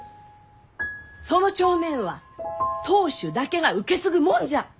その帳面は当主だけが受け継ぐもんじゃ！